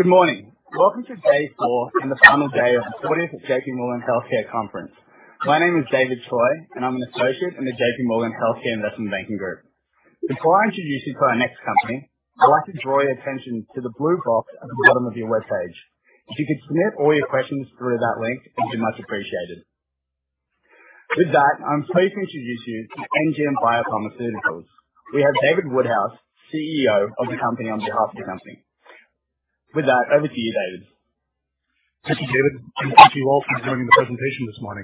Good morning. Welcome to day four and the final day of the 40th JPMorgan Healthcare Conference. My name is David Choi, and I'm an associate in the JPMorgan Healthcare Investment Banking group. Before I introduce you to our next company, I'd like to draw your attention to the blue box at the bottom of your web page. If you could submit all your questions through that link, it would be much appreciated. With that, I'm pleased to introduce you to NGM Biopharmaceuticals. We have David Woodhouse, CEO of the company, on behalf of the company. With that, over to you, David. This is David. Thank you all for joining the presentation this morning.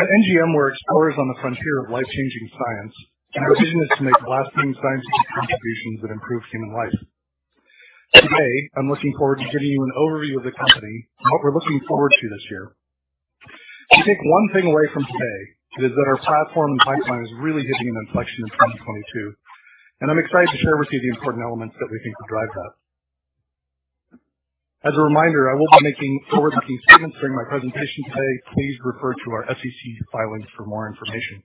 At NGM, we're explorers on the frontier of life-changing science, and our vision is to make lasting scientific contributions that improve human life. Today, I'm looking forward to giving you an overview of the company and what we're looking forward to this year. If you take one thing away from today, it is that our platform and pipeline is really hitting an inflection in 2022, and I'm excited to share with you the important elements that we think will drive that. As a reminder, I will be making forward-looking statements during my presentation today. Please refer to our SEC filings for more information.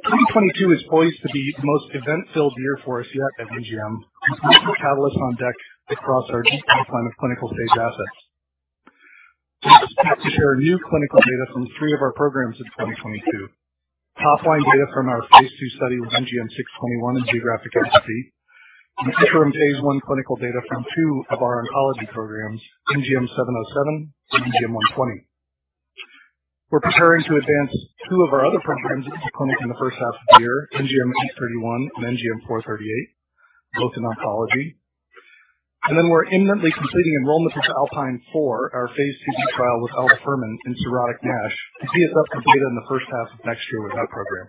2022 is poised to be the most event-filled year for us yet at NGM with multiple catalysts on deck across our deep pipeline of clinical-stage assets. We're pleased to share new clinical data from three of our programs in 2022. Topline data from our phase II study with NGM621 in geographic atrophy, and interim phase I clinical data from two of our oncology programs, NGM707 and NGM120. We're preparing to advance two of our other programs into the clinic in the first half of the year, NGM831 and NGM438, both in oncology. We're imminently completing enrollment into ALPINE 4, our phase IIb trial with aldafermin in cirrhotic NASH to be set up for data in the first half of next year with that program.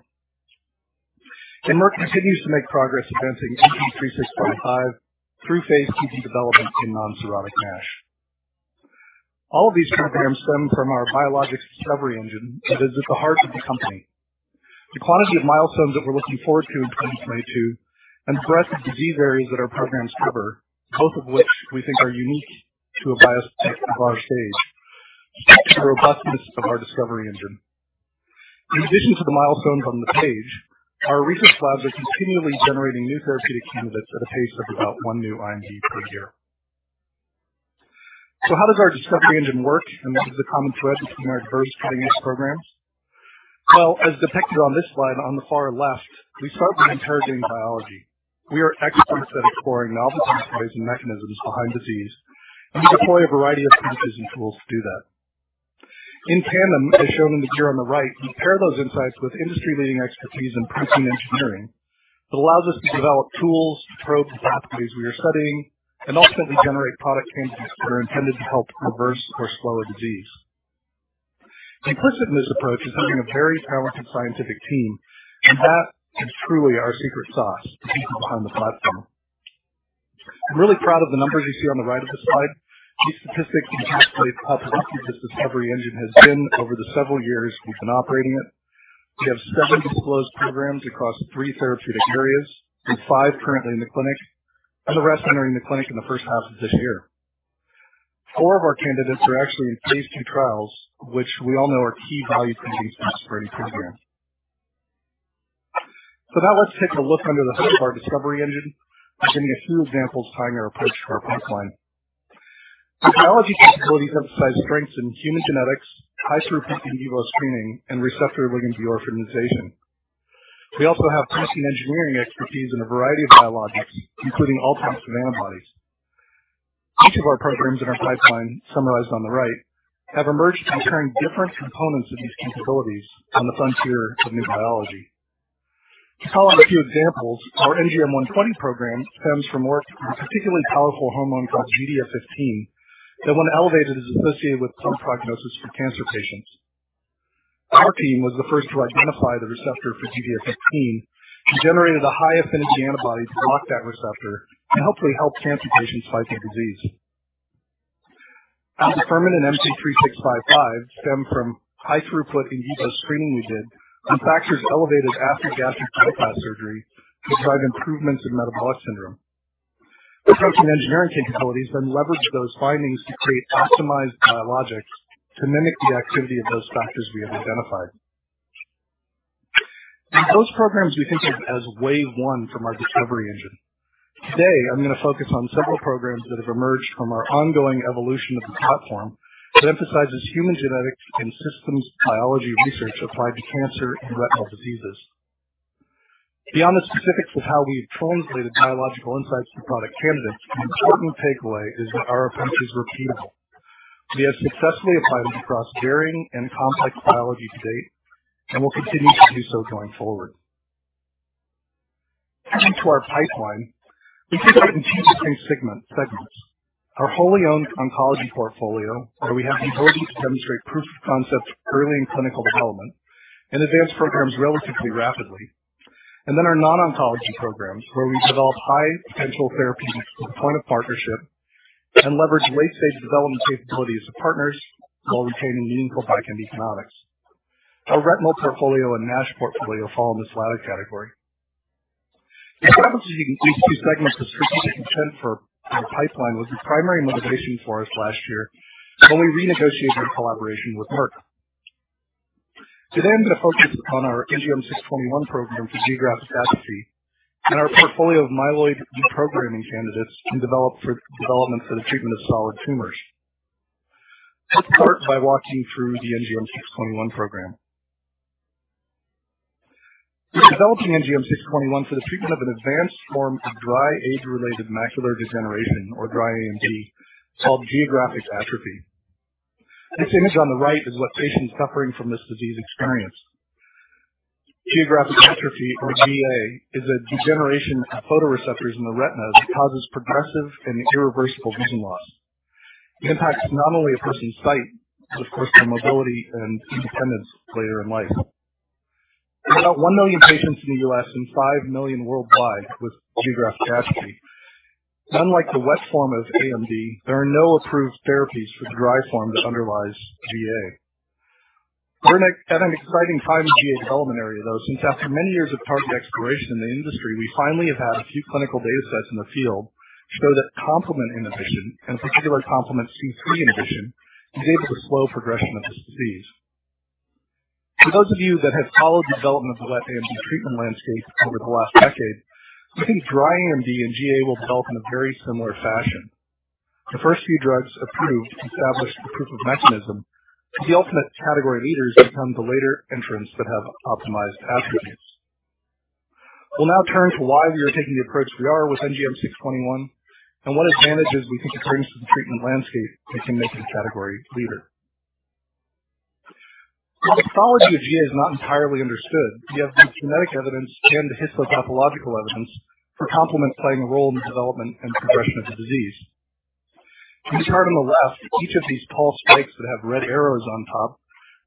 Merck continues to make progress advancing MK-3655 through phase IIb development in non-cirrhotic NASH. All of these programs stem from our biologics discovery engine that is at the heart of the company. The quantity of milestones that we're looking forward to in 2022 and breadth of disease areas that our programs cover, both of which we think are unique to a biotech of our stage, speak to the robustness of our discovery engine. In addition to the milestones on the page, our research labs are continually generating new therapeutic candidates at a pace of about one new IND per year. How does our discovery engine work, and what is the common thread between our diverse preclinical programs? Well, as depicted on this slide on the far left, we start with interrogating biology. We are experts at exploring novel disease pathways and mechanisms behind disease, and we deploy a variety of strategies and tools to do that. In tandem, as shown in the figure on the right, we pair those insights with industry-leading expertise in protein engineering that allows us to develop tools to probe the pathways we are studying and ultimately generate product candidates that are intended to help reverse or slow a disease. Implicit in this approach is having a very talented scientific team, and that is truly our secret sauce, the people behind the platform. I'm really proud of the numbers you see on the right of the slide. These statistics reflect how productive this discovery engine has been over the several years we've been operating it. We have seven disclosed programs across three therapeutic areas, with five currently in the clinic and the rest entering the clinic in the first half of this year. Four of our candidates are actually in phase II trials, which we all know are key value creating priority programs. For that, let's take a look under the hood of our discovery engine by giving a few examples tying our approach to our pipeline. The biology capabilities emphasize strengths in human genetics, high-throughput in vivo screening, and receptor ligand de-orphanization. We also have protein engineering expertise in a variety of biologics, including all types of antibodies. Each of our programs in our pipeline, summarized on the right, have emerged from combining different components of these capabilities on the frontier of new biology. To call out a few examples, our NGM120 program stems from work from a particularly powerful hormone called GDF-15 that, when elevated, is associated with poor prognosis for cancer patients. Our team was the first to identify the receptor for GDF-15 and generated a high-affinity antibody to block that receptor and hopefully help cancer patients fight their disease. Aldafermin and MK-3655 stem from high-throughput in vivo screening we did on factors elevated after gastric bypass surgery to drive improvements in metabolic syndrome. Our protein engineering capabilities then leveraged those findings to create optimized biologics to mimic the activity of those factors we have identified. Those programs we think of as wave one from our discovery engine. Today, I'm gonna focus on several programs that have emerged from our ongoing evolution of the platform that emphasizes human genetics and systems biology research applied to cancer and retinal diseases. Beyond the specifics of how we've translated biological insights to product candidates, the important takeaway is that our approach is repeatable. We have successfully applied it across varying and complex biology to date, and we'll continue to do so going forward. Turning to our pipeline, we think about it in two distinct segments. Our wholly owned oncology portfolio, where we have the ability to demonstrate proof of concept early in clinical development and advance programs relatively rapidly. Our non-oncology programs, where we develop high-potential therapies to the point of partnership and leverage late-stage development capabilities of partners while retaining meaningful backend economics. Our retinal portfolio and NASH portfolio fall in this latter category. Establishing these two segments of strategic intent for our pipeline was the primary motivation for us last year when we renegotiated our collaboration with Merck. Today, I'm gonna focus upon our NGM621 program for geographic atrophy and our portfolio of myeloid reprogramming candidates development for the treatment of solid tumors. Let's start by walking through the NGM621 program. We're developing NGM621 for the treatment of an advanced form of dry age-related macular degeneration, or dry AMD, called geographic atrophy. This image on the right is what patients suffering from this disease experience. Geographic atrophy, or GA, is a degeneration of photoreceptors in the retina that causes progressive and irreversible vision loss. It impacts not only a person's sight, but of course, their mobility and independence later in life. There are about 1 million patients in The U.S. and 5 million worldwide with geographic atrophy. Unlike the wet form of AMD, there are no approved therapies for the dry form that underlies GA. We're at an exciting time in GA development area, though, since after many years of target exploration in the industry, we finally have had a few clinical data sets in the field show that complement inhibition, in particular complement C3 inhibition, is able to slow progression of this disease. For those of you that have followed the development of the wet AMD treatment landscape over the last decade, we think dry AMD and GA will develop in a very similar fashion. The first few drugs approved to establish the proof of mechanism. The ultimate category leaders become the later entrants that have optimized attributes. We'll now turn to why we are taking the approach we are with NGM621 and what advantages we think it brings to the treatment landscape that can make it a category leader. The pathology of GA is not entirely understood, yet there's genetic evidence and histopathological evidence for complement playing a role in the development and progression of the disease. In this chart on the left, each of these tall spikes that have red arrows on top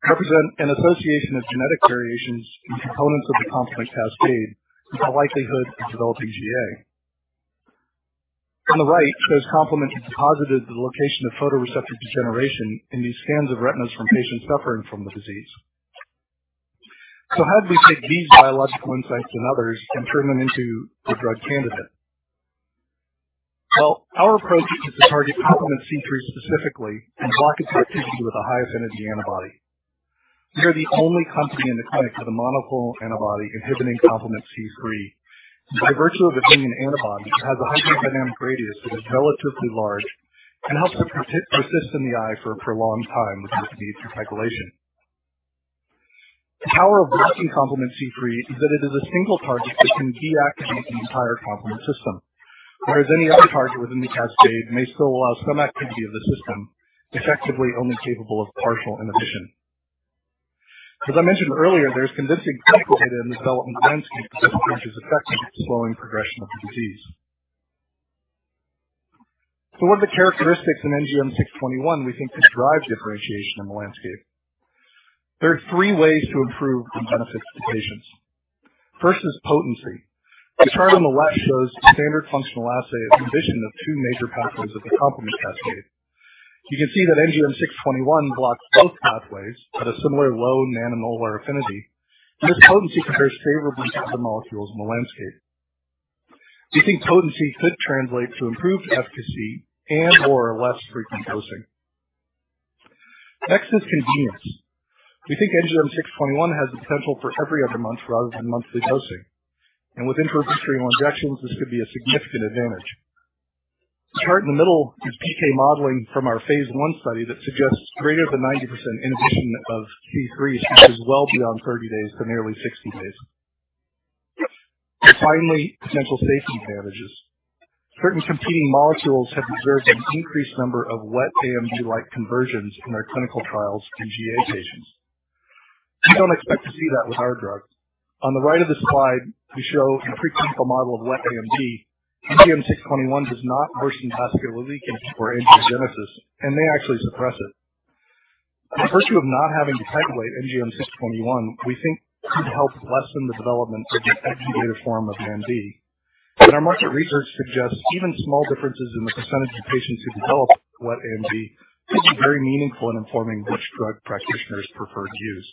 represent an association of genetic variations in components of the complement cascade and the likelihood of developing GA. On the right, it shows complement deposited at the location of photoreceptor degeneration in these scans of retinas from patients suffering from the disease. How do we take these biological insights and others and turn them into a drug candidate? Well, our approach is to target complement C3 specifically and block its activity with a high-affinity antibody. We are the only company in the clinic with a monoclonal antibody inhibiting complement C3. By virtue of it being an antibody, it has a hydrodynamic radius that is relatively large and helps it persist in the eye for a prolonged time without the need for [circulation]. The power of blocking complement C3 is that it is a single target that can deactivate the entire complement system. Whereas any other target within the cascade may still allow some activity of the system, effectively only capable of partial inhibition. As I mentioned earlier, there's convincing clinical data in the development landscape that demonstrates its effect in slowing progression of the disease. What are the characteristics in NGM621 we think could drive differentiation in the landscape? There are three ways to improve and benefit the patients. First is potency. The chart on the left shows the standard functional assay of inhibition of two major pathways of the complement cascade. You can see that NGM621 blocks both pathways at a similar low nanomolar affinity, and this potency compares favorably to other molecules in the landscape. We think potency could translate to improved efficacy and/or less frequent dosing. Next is convenience. We think NGM621 has the potential for every other month rather than monthly dosing. With intravitreal injections, this could be a significant advantage. The chart in the middle is PK modeling from our phase I study that suggests greater than 90% inhibition of C3 is well beyond 30 days to nearly 60 days. Finally, potential safety advantages. Certain competing molecules have observed an increased number of wet AMD-like conversions in their clinical trials in GA patients. We don't expect to see that with our drugs. On the right of the slide, we show a preclinical model of wet AMD. NGM621 does not worsen vascular leakage or angiogenesis, and may actually suppress it. By virtue of not having to titrate NGM621, we think this could help lessen the development of the activated form of AMD. Our market research suggests even small differences in the percentage of patients who develop wet AMD could be very meaningful in informing which drug practitioners prefer to use.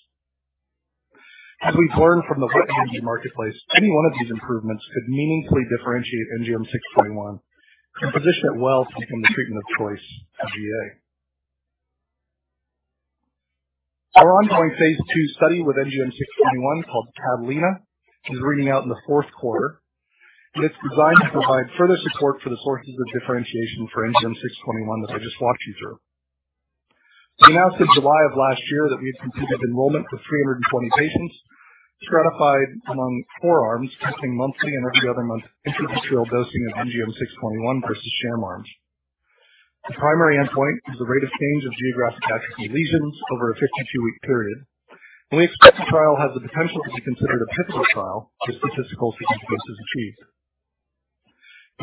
As we've learned from the wet AMD marketplace, any one of these improvements could meaningfully differentiate NGM621 and position it well to become the treatment of choice for GA. Our ongoing phase II study with NGM621, called CATALINA, is reading out in the fourth quarter, and it's designed to provide further support for the sources of differentiation for NGM621 that I just walked you through. We announced in July of last year that we had completed enrollment for 320 patients stratified among four arms testing monthly and every other month intravitreal dosing of NGM621 versus sham arms. The primary endpoint is the rate of change of geographic atrophy lesions over a 52-week period. We expect the trial has the potential to be considered a pivotal trial if statistical significance is achieved.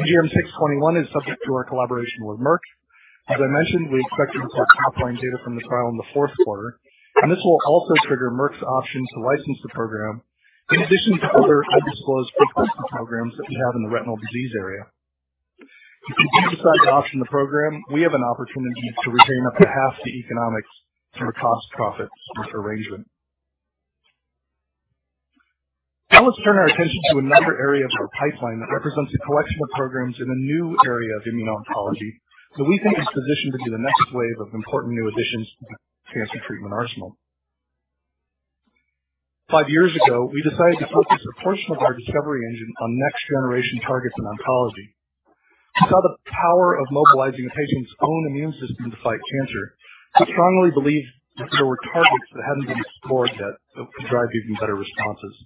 NGM621 is subject to our collaboration with Merck. As I mentioned, we expect to report top-line data from the trial in the fourth quarter, and this will also trigger Merck's option to license the program in addition to other undisclosed preclinical programs that we have in the retinal disease area. If they do decide to option the program, we have an opportunity to retain up to half the economics through a cost profit arrangement. Now let's turn our attention to another area of our pipeline that represents a collection of programs in a new area of immuno-oncology that we think is positioned to be the next wave of important new additions to the cancer treatment arsenal. Five years ago, we decided to focus a portion of our discovery engine on next-generation targets in oncology. We saw the power of mobilizing a patient's own immune system to fight cancer. We strongly believed that there were targets that hadn't been explored that could drive even better responses.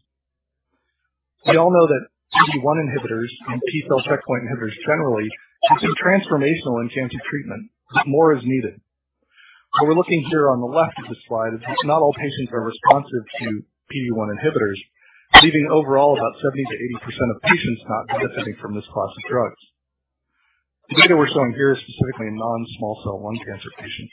We all know that PD-1 inhibitors and T cell checkpoint inhibitors generally have been transformational in cancer treatment, but more is needed. What we're looking here on the left of this slide is that not all patients are responsive to PD-1 inhibitors, leaving overall about 70%-80% of patients not benefiting from this class of drugs. The data we're showing here is specifically in non-small cell lung cancer patients.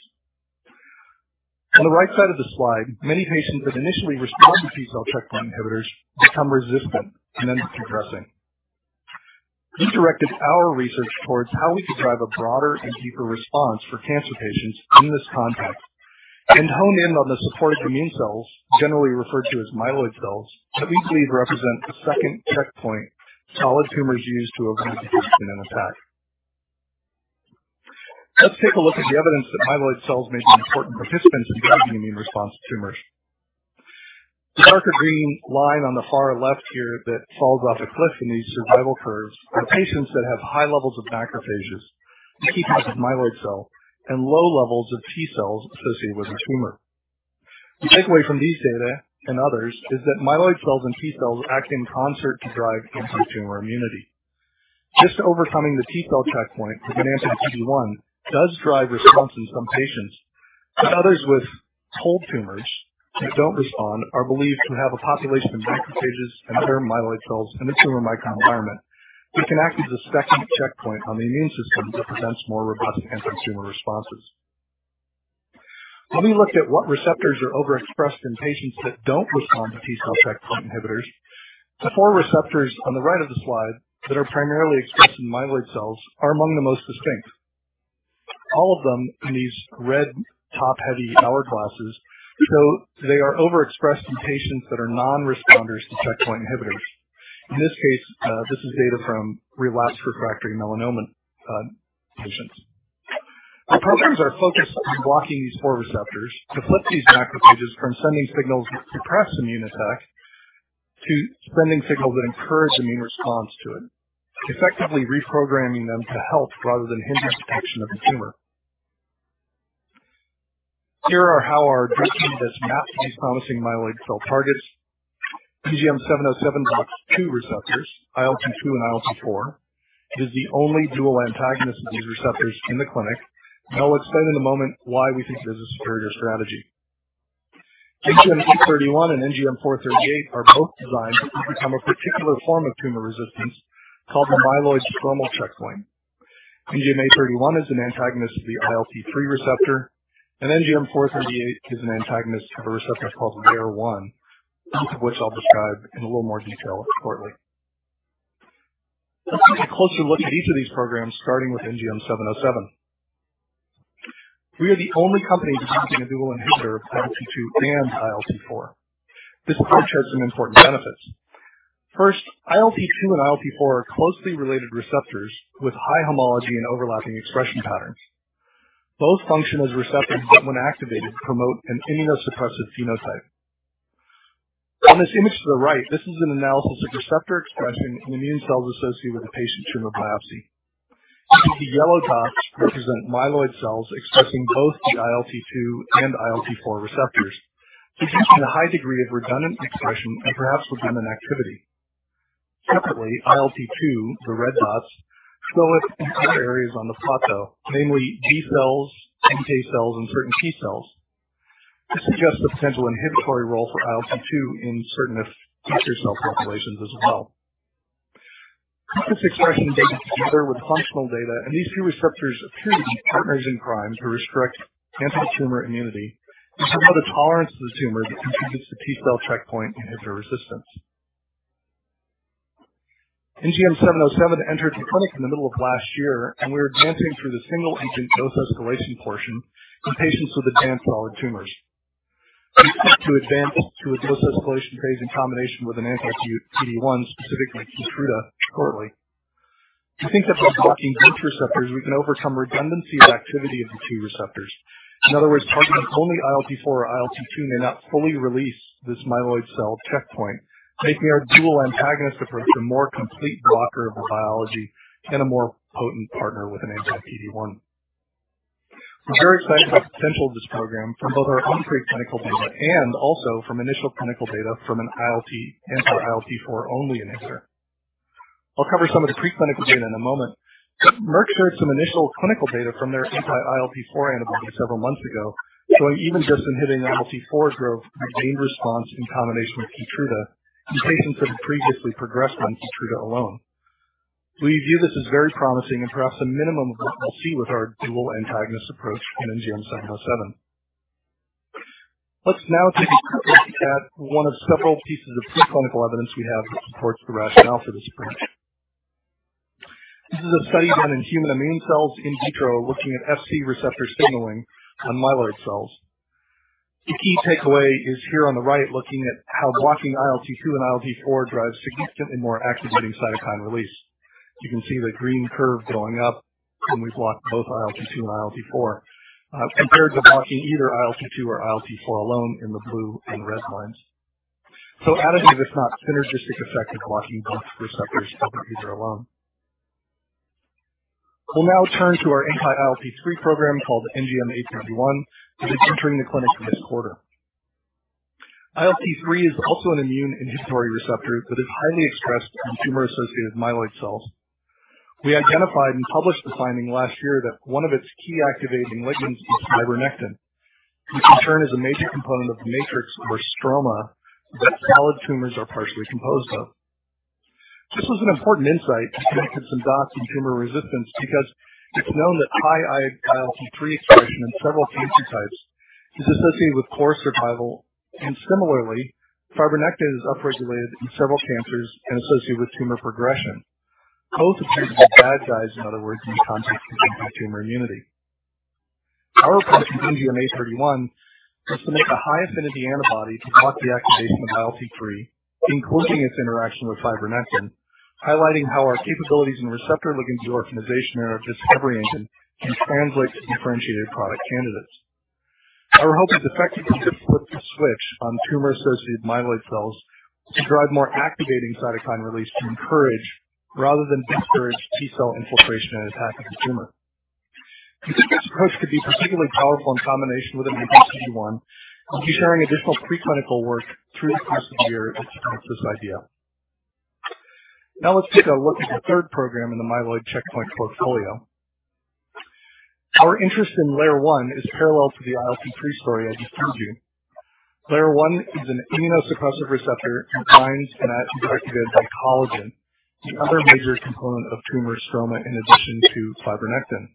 On the right side of the slide, many patients that initially respond to T cell checkpoint inhibitors become resistant and end up progressing. We directed our research towards how we could drive a broader and deeper response for cancer patients in this context and hone in on the supportive immune cells, generally referred to as myeloid cells, that we believe represent the second checkpoint solid tumors use to avoid detection and attack. Let's take a look at the evidence that myeloid cells may be important participants in driving immune response to tumors. The darker green line on the far left here that falls off a cliff in these survival curves are patients that have high levels of macrophages, a key type of myeloid cell, and low levels of T cells associated with a tumor. The takeaway from these data and others is that myeloid cells and T cells act in concert to drive antitumor immunity. Just overcoming the T cell checkpoint with an anti-PD-1 does drive response in some patients, but others with cold tumors that don't respond are believed to have a population of macrophages and other myeloid cells in the tumor microenvironment, which can act as a second checkpoint on the immune system that prevents more robust antitumor responses. When we looked at what receptors are overexpressed in patients that don't respond to T cell checkpoint inhibitors, the four receptors on the right of the slide that are primarily expressed in myeloid cells are among the most distinct, all of them in these red top-heavy hourglasses. They are overexpressed in patients that are non-responders to checkpoint inhibitors. In this case, this is data from relapsed refractory melanoma patients. Our programs are focused on blocking these four receptors to flip these macrophages from sending signals that suppress immune attack to sending signals that encourage immune response to it, effectively reprogramming them to help rather than hinder detection of the tumor. Here are how our drug team has mapped these promising myeloid cell targets. NGM707 blocks two receptors, ILT2 and ILT4. It is the only dual antagonist of these receptors in the clinic, and I'll explain in a moment why we think this is a superior strategy. NGM831 and NGM438 are both designed to overcome a particular form of tumor resistance called the myeloid stromal checkpoint. NGM831 is an antagonist of the ILT3 receptor, and NGM438 is an antagonist of a receptor called LAIR1, each of which I'll describe in a little more detail shortly. Let's take a closer look at each of these programs, starting with NGM707. We are the only company developing a dual inhibitor of ILT2 and ILT4. This approach has some important benefits. First, ILT2 and ILT4 are closely related receptors with high homology and overlapping expression patterns. Both function as receptors that, when activated, promote an immunosuppressive phenotype. In this image to the right, this is an analysis of receptor expression in immune cells associated with a patient's tumor biopsy. The yellow dots represent myeloid cells expressing both the ILT2 and ILT4 receptors, suggesting a high degree of redundant expression and perhaps redundant activity. Separately, ILT2, the red dots, show up in key areas on the plot, though, namely B cells, NK cells, and certain T cell populations. This suggests a potential inhibitory role for ILT2 in certain T cell populations as well. This expression data together with functional data and these two receptors appear to be partners in crimes that restrict antitumor immunity and promote a tolerance to the tumor that contributes to T cell checkpoint inhibitor resistance. NGM707 entered the clinic in the middle of last year, and we are advancing through the single agent dose escalation portion in patients with advanced solid tumors. We expect to advance to a dose escalation phase in combination with an anti-PD-1, specifically KEYTRUDA, shortly. We think that by blocking both receptors, we can overcome redundancy of activity of the two receptors. In other words, targeting only ILT4 or ILT2 may not fully release this myeloid cell checkpoint, making our dual antagonist approach a more complete blocker of the biology and a more potent partner with an anti-PD-1. We're very excited about the potential of this program from both our own preclinical data and also from initial clinical data from an anti-ILT4 only inhibitor. I'll cover some of the preclinical data in a moment. Merck shared some initial clinical data from their anti-ILT4 antibody several months ago, showing even just inhibiting ILT4 drove a gained response in combination with KEYTRUDA in patients that had previously progressed on KEYTRUDA alone. We view this as very promising and perhaps a minimum of what we'll see with our dual antagonist approach in NGM707. Let's now take a look at one of several pieces of preclinical evidence we have that supports the rationale for this approach. This is a study done in human immune cells in vitro looking at Fc receptor signaling on myeloid cells. The key takeaway is here on the right looking at how blocking ILT2 and ILT4 drives significantly more activating cytokine release. You can see the green curve going up when we've blocked both ILT2 and ILT4, compared to blocking either ILT2 or ILT4 alone in the blue and red lines. So additive, if not synergistic effect in blocking both receptors over either alone. We'll now turn to our anti-ILT3 program called NGM831, which is entering the clinic this quarter. ILT3 is also an immune inhibitory receptor that is highly expressed in tumor-associated myeloid cells. We identified and published the finding last year that one of its key activating ligands is fibronectin, which in turn is a major component of the matrix or stroma that solid tumors are partially composed of. This was an important insight to connect some dots in tumor resistance because it's known that high ILT3 expression in several cancer types is associated with poor survival, and similarly, fibronectin is upregulated in several cancers and associated with tumor progression. Both appear to be bad guys, in other words, in the context of anti-tumor immunity. Our approach with NGM831 was to make a high affinity antibody to block the activation of ILT3, including its interaction with fibronectin, highlighting how our capabilities in receptor ligand de-orphanization and our discovery engine can translate to differentiated product candidates. Our hope is effectively to flip the switch on tumor-associated myeloid cells to drive more activating cytokine release to encourage rather than discourage T cell infiltration and attack of the tumor. We think this approach could be particularly powerful in combination with an anti-PD-1, and we'll be sharing additional preclinical work through the course of the year to support this idea. Now let's take a look at the third program in the myeloid checkpoint portfolio. Our interest in LAIR1 is parallel to the ILT3 story I just told you. LAIR1 is an immunosuppressive receptor and binds and is activated by collagen, the other major component of tumor stroma in addition to fibronectin.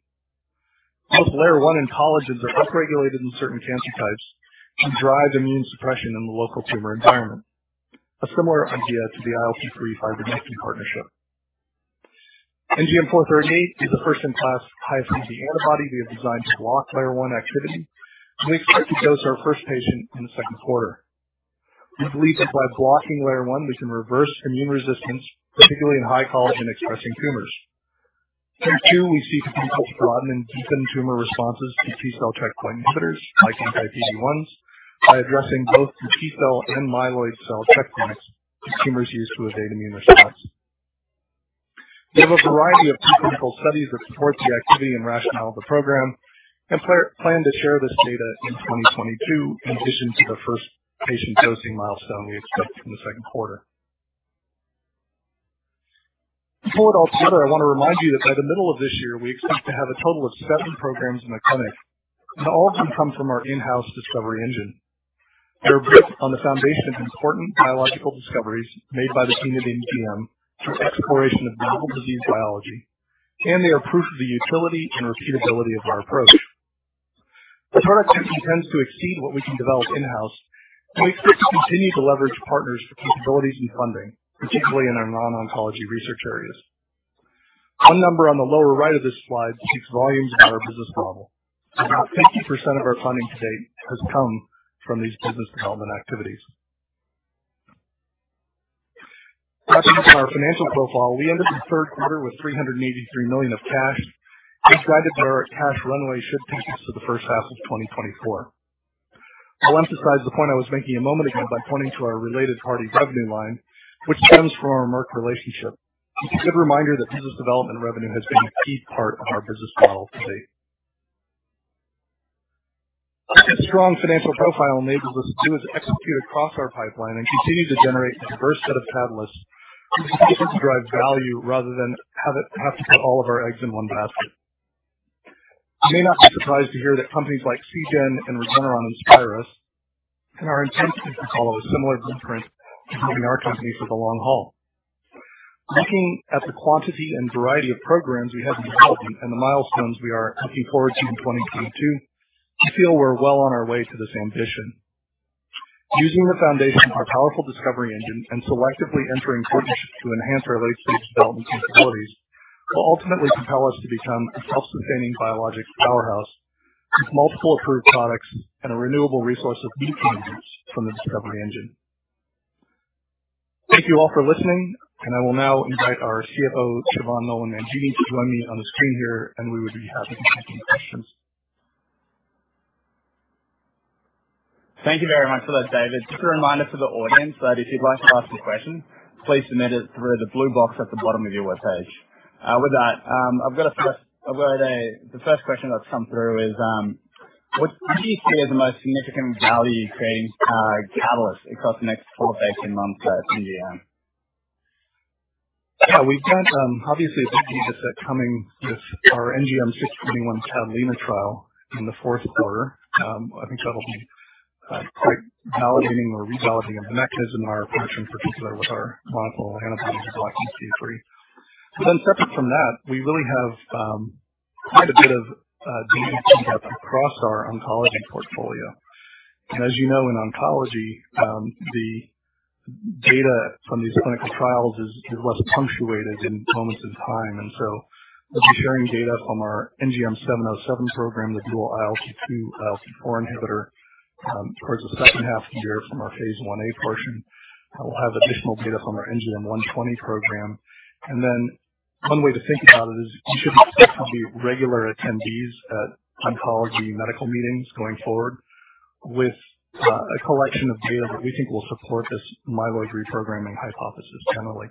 Both LAIR1 and collagen are upregulated in certain cancer types and drive immune suppression in the local tumor environment. A similar idea to the ILT3 fibronectin partnership. NGM438 is a first-in-class high-affinity antibody we have designed to block LAIR1 activity, and we expect to dose our first patient in the second quarter. We believe that by blocking LAIR1, we can reverse immune resistance, particularly in high collagen-expressing tumors. Here too, we seek to potentially broaden and deepen tumor responses to T cell checkpoint inhibitors like anti-PD-1s by addressing both the T cell and myeloid cell checkpoints that tumors use to evade immune response. We have a variety of preclinical studies that support the activity and rationale of the program and plan to share this data in 2022 in addition to the first patient dosing milestone we expect in the second quarter. To pull it all together, I wanna remind you that by the middle of this year, we expect to have a total of seven programs in the clinic, and all of them come from our in-house discovery engine. They're built on the foundation of important biological discoveries made by the team at NGM through exploration of novel disease biology, and they are proof of the utility and repeatability of our approach. Product testing tends to exceed what we can develop in-house, and we expect to continue to leverage partners for capabilities and funding, particularly in our non-oncology research areas. One number on the lower right of this slide speaks volumes about our business model. About 50% of our funding to date has come from these business development activities. Touching on our financial profile, we ended the third quarter with $383 million of cash and guided that our cash runway should take us to the first half of 2024. I'll emphasize the point I was making a moment ago by pointing to our related party revenue line, which stems from our Merck relationship. It's a good reminder that business development revenue has been a key part of our business model to date. What this strong financial profile enables us to do is execute across our pipeline and continue to generate a diverse set of catalysts that drive value rather than have to put all of our eggs in one basket. You may not be surprised to hear that companies like Seagen and Regeneron inspire us, and our intention is to follow a similar blueprint in building our company for the long haul. Looking at the quantity and variety of programs we have in development and the milestones we are looking forward to in 2022, I feel we're well on our way to this ambition. Using the foundation of our powerful discovery engine and selectively entering partnerships to enhance our late-stage development capabilities will ultimately propel us to become a self-sustaining biologics powerhouse with multiple approved products and a renewable resource of lead candidates from the discovery engine. Thank you all for listening, and I will now invite our CFO, Siobhan Nolan, and Judy to join me on the screen here, and we would be happy to take any questions. Thank you very much for that, David. Just a reminder to the audience that if you'd like to ask a question, please submit it through the blue box at the bottom of your web page. With that, I've got the first question that's come through is, what do you see as the most significant value creating catalyst across the next 12-18 months at NGM? Yeah. We've got, obviously, as I just said, coming this, our NGM621 CATALINA trial in the fourth quarter. I think that'll be quite validating or revalidating of the mechanism, our approach in particular with our monoclonal antibodies blocking C3. But then separate from that, we really have quite a bit of data to come across our oncology portfolio. As you know, in oncology, the data from these clinical trials is less punctuated in moments in time. We'll be sharing data from our NGM707 program, the dual ILT2/ILT4 inhibitor, towards the second half of the year from our phase Ia portion. We'll have additional data from our NGM120 program. One way to think about it is you should expect some of the regular attendees at oncology medical meetings going forward with a collection of data that we think will support this myeloid reprogramming hypothesis generally.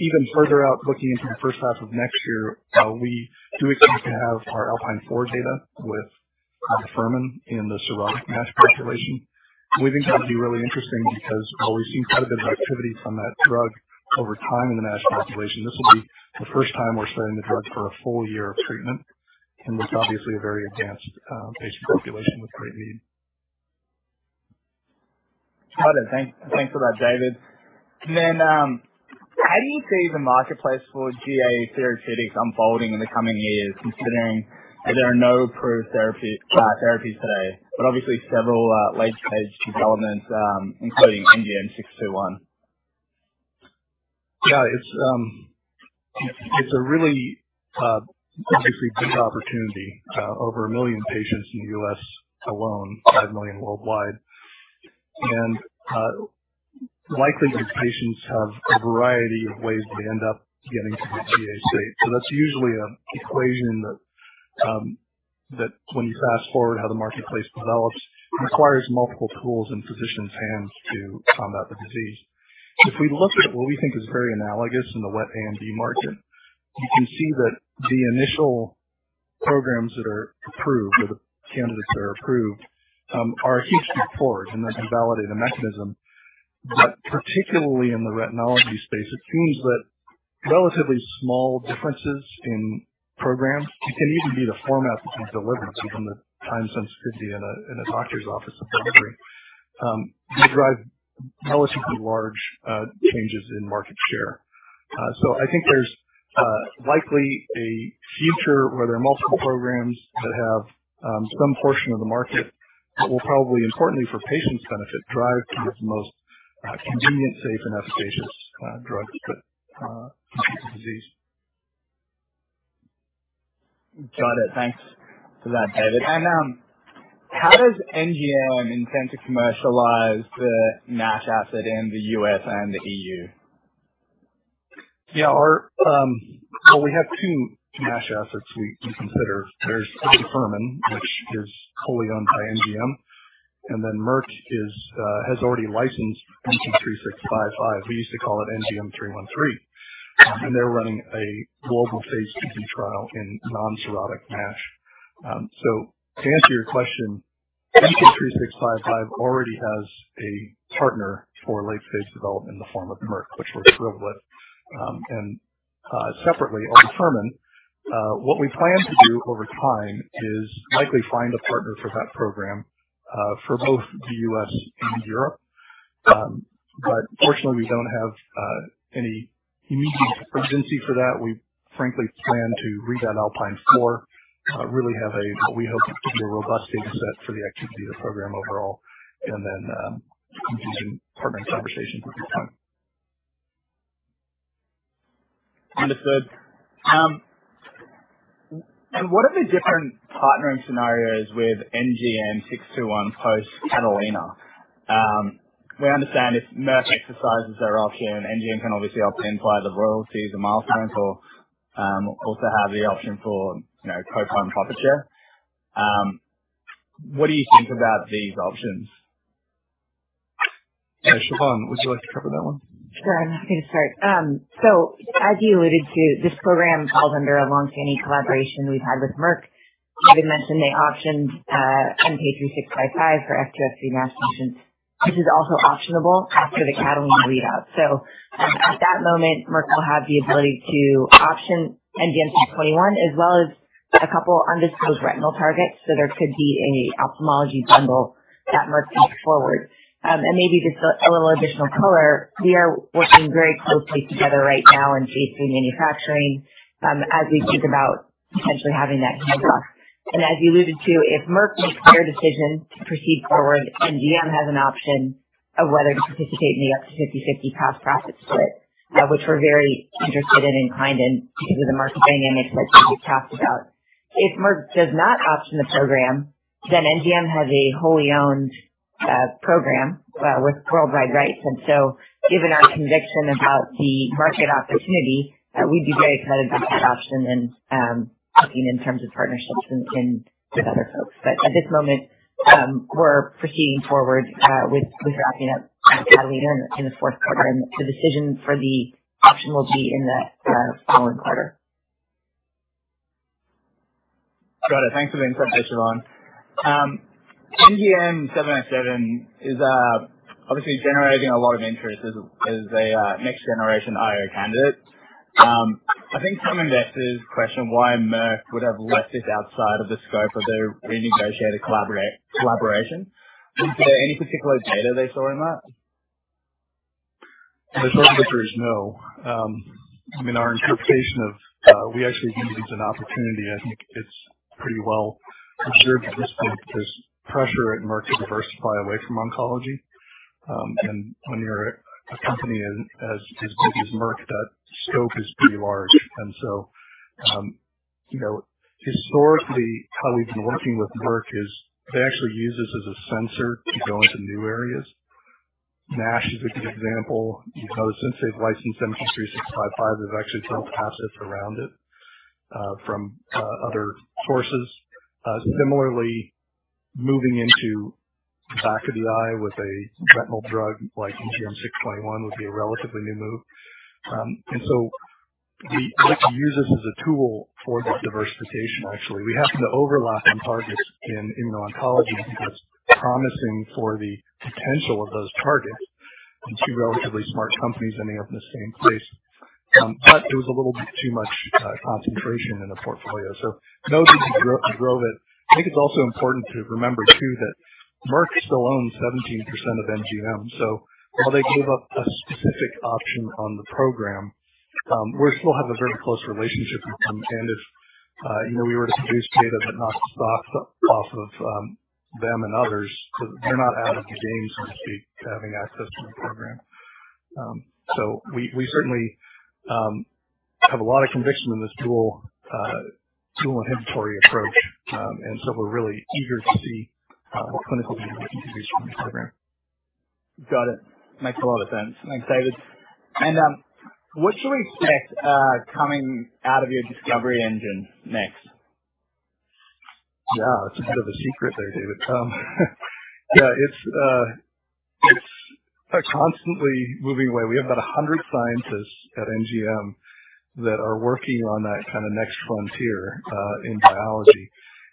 Even further out, looking into the first half of next year, we do expect to have our ALPINE 4 data with aldafermin in the cirrhotic NASH population. We think that would be really interesting because while we've seen quite a bit of activity from that drug over time in the NASH population, this will be the first time we're studying the drug for a full-year of treatment, and that's obviously a very advanced patient population with great need. Got it. Thanks for that, David. How do you see the marketplace for GA therapeutics unfolding in the coming years, considering there are no approved therapies today, but obviously several late-stage developments, including NGM621? Yeah, it's a really obviously big opportunity. Over a million patients in The U.S. alone, 5 million worldwide. Likely these patients have a variety of ways they end up getting to the GA state. That's usually an equation that when you fast-forward how the marketplace develops, requires multiple tools in physicians' hands to combat the disease. If we look at what we think is very analogous in the wet AMD market, you can see that the initial programs that are approved or the candidates that are approved are hugely important, and they can validate a mechanism. Particularly in the retinopathy space, it seems that relatively small differences in programs. It can even be the format of these deliveries from the time sensitivity in a doctor's office delivery. They drive relatively large changes in market share. I think there's likely a future where there are multiple programs that have some portion of the market that will probably, importantly for patients' benefit, drive towards the most convenient, safe, and efficacious drugs to treat the disease. Got it. Thanks for that, David. How does NGM intend to commercialize the NASH asset in The U.S. and the EU? Yeah. Well, we have two NASH assets we consider. There's aldafermin, which is wholly owned by NGM, and then Merck has already licensed NGM3655. We used to call it NGM313. They're running a global phase IIb trial in non-cirrhotic NASH. To answer your question, NGM3655 already has a partner for late-phase development in the form of Merck, which we're thrilled with. Separately on aldafermin, what we plan to do over time is likely find a partner for that program for both the U.S. and Europe. Fortunately, we don't have any immediate urgency for that. We frankly plan to read out ALPINE 4, really have a what we hope to be a robust data set for the activity of the program overall and then continue partner conversations at that time. Understood. What are the different partnering scenarios with NGM621 post-CATALINA? We understand if Merck exercises their option, NGM can obviously opt in via the royalties or milestones or also have the option for, you know, co-prom profit share. What do you think about these options? Siobhan, would you like to cover that one? Sure. I'm happy to start. As you alluded to, this program falls under a long-standing collaboration we've had with Merck. David mentioned they optioned NGM3655 for F2/F3 NASH patients. This is also optionable after the CATALINA readout. At that moment, Merck will have the ability to option NGM621 as well as a couple undisclosed retinal targets, so there could be an ophthalmology bundle that Merck takes forward. Maybe just a little additional color. We are working very closely together right now in GMP manufacturing, as we think about potentially having that conversation. As you alluded to, if Merck makes their decision to proceed forward, NGM has an option of whether to participate in the up to 50/50 gross profit split, which we're very interested in and inclined to due to the market dynamics that David talked about. If Merck does not option the program, then NGM has a wholly owned program with worldwide rights. Given our conviction about the market opportunity, we'd be very excited about that option and talking in terms of partnerships with other folks. But at this moment, we're proceeding forward with wrapping up CATALINA in the fourth quarter, and the decision for the option will be in the following quarter. Got it. Thanks for the insight there, Siobhan. NGM707 is obviously generating a lot of interest as a next generation IO candidate. I think some investors question why Merck would have left this outside of the scope of their renegotiated collaboration. Is there any particular data they saw in that? We actually view it as an opportunity. I think it's pretty well observed at this point. There's pressure at Merck to diversify away from oncology. When you're a company as big as Merck, that scope is pretty large. Historically how we've been working with Merck is they actually use this as a sensor to go into new areas. NASH is a good example. You know, since they've licensed MK-3655, they've actually built assets around it from other sources. Similarly, moving into the back of the eye with a retinal drug like NGM621 would be a relatively new move. We like to use this as a tool for diversification. Actually, we happen to overlap on targets in immuno-oncology because promising for the potential of those targets and two relatively smart companies ending up in the same place. But it was a little bit too much concentration in the portfolio, so no desire to grow that. I think it's also important to remember too that Merck still owns 17% of NGM. While they gave up a specific option on the program, we still have a very close relationship with them. If you know, we were to produce data that knocks the socks off of them and others, they're not out of the game, so to speak, to having access to the program. We certainly have a lot of conviction in this dual inhibitory approach. We're really eager to see what clinical data contributes from the program. Got it. Makes a lot of sense. Thanks, David. What should we expect coming out of your discovery engine next? Yeah, it's a bit of a secret there, David. Yeah, it's constantly moving away. We have about 100 scientists at NGM that are working on that kind of next frontier in biology.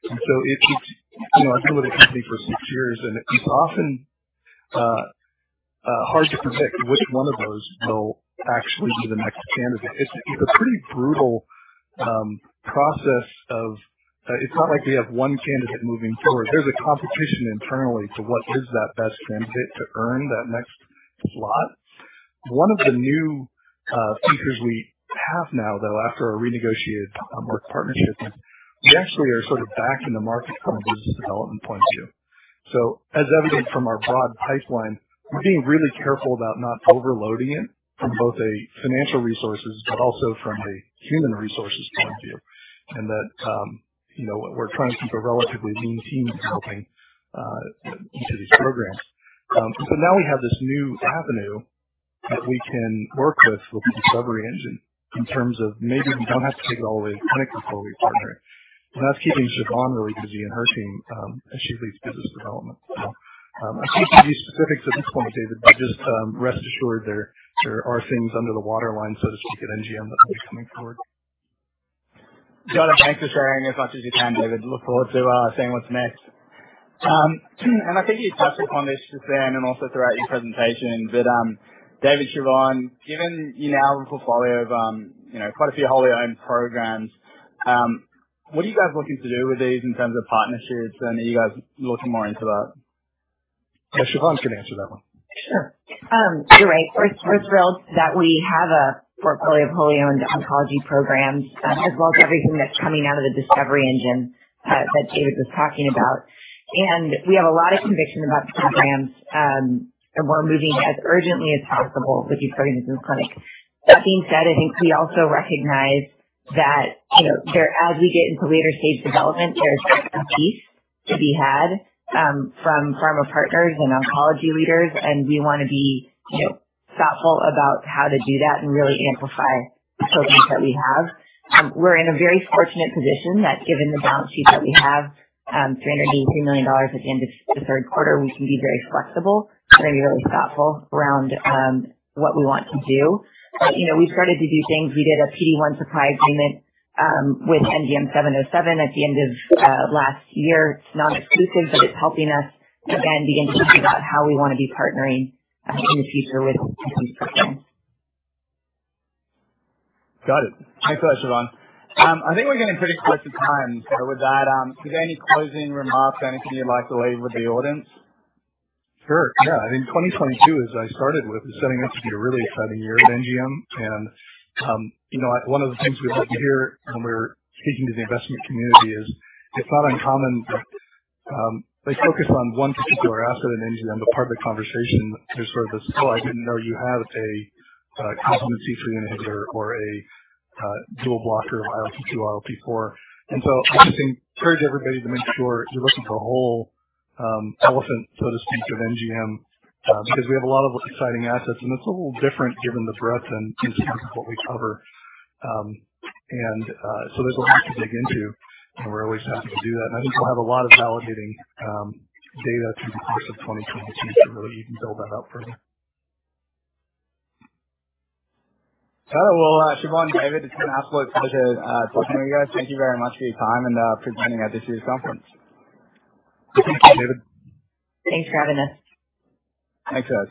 It's, you know, I've been with the company for six years, and it's often hard to predict which one of those will actually be the next candidate. It's a pretty brutal process. It's not like we have one candidate moving forward. There's a competition internally to what is that best candidate to earn that next slot. One of the new features we have now, though, after our renegotiated Merck partnership, we actually are sort of back in the market from a business development point of view. As evident from our broad pipeline, we're being really careful about not overloading it from both a financial resources but also from a human resources point of view. That, you know, we're trying to keep a relatively lean team helping into these programs. Now we have this new avenue that we can work with the discovery engine in terms of maybe we don't have to take it all the way to clinic before we partner. That's keeping Siobhan really busy in her team, as she leads business development. I can't give you specifics at this point, David, but just rest assured there are things under the waterline, so to speak, at NGM that will be coming forward. Got it. Thanks for sharing as much as you can, David. Look forward to seeing what's next. I think you touched upon this just then and also throughout your presentation. David, Siobhan, given you now have a portfolio of, you know, quite a few wholly owned programs, what are you guys looking to do with these in terms of partnerships? And are you guys looking more into that? Yeah. Siobhan's gonna answer that one. Sure. You're right. We're thrilled that we have a portfolio of wholly owned oncology programs, as well as everything that's coming out of the discovery engine that David was talking about. We have a lot of conviction about the programs, and we're moving as urgently as possible with these programs in the clinic. That being said, I think we also recognize that, you know, as we get into later stage development, there's some piece to be had from pharma partners and oncology leaders. We wanna be, you know, thoughtful about how to do that and really amplify the programs that we have. We're in a very fortunate position that given the balance sheet that we have, $383 million at the end of the third quarter, we can be very flexible and be really thoughtful around what we want to do. You know, we started to do things. We did a PD-1 supply agreement with NGM707 at the end of last year. It's non-exclusive, but it's helping us, again, be interested in how we wanna be partnering in the future with these programs. Got it. Thanks for that, Siobhan. I think we're getting pretty close to time. With that, is there any closing remarks, anything you'd like to leave with the audience? Sure, yeah. I think 2022, as I started with, is setting up to be a really exciting year at NGM. You know, one of the things we like to hear when we're speaking to the investment community is it's not uncommon that they focus on one particular asset in NGM, but part of the conversation, there's sort of this, "Oh, I didn't know you had a complement C3 inhibitor or a dual blocker of ILT2, ILT4." I would say encourage everybody to make sure you're looking for the whole elephant, so to speak, of NGM, because we have a lot of exciting assets, and it's a little different given the breadth and in terms of what we cover. There's a lot to dig into, and we're always happy to do that. I think we'll have a lot of validating data through the course of 2022 to really even build that out further. Oh, well, Siobhan, David, it's been an absolute pleasure, talking with you guys. Thank you very much for your time and presenting at this year's conference. Thank you, David. Thanks for having us. Thanks, guys.